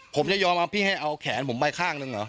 ผมจะยอมให้พี่เอาแขนผมไปข้างนึงเหรอ